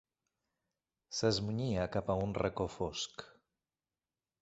S'esmunyia cap a un reco fosc